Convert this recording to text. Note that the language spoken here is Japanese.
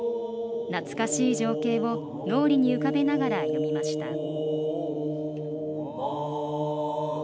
懐かしい情景を脳裏に浮かべながら詠みました。